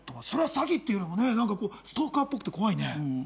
それは詐欺っていうよりも何かストーカーっぽくて怖いね。